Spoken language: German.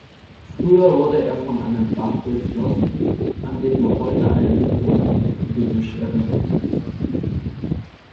Früher wurde er von einem Bach durchflossen, an den noch heute ein Wildrosen-Gebüsch erinnert.